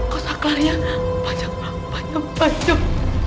kok saklarnya panjang panjang panjang